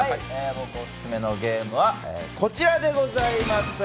僕オススメのゲームはこちらでございます。